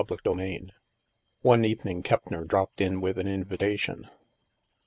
CHAPTER III One evening Keppner dropped in with an invita tion.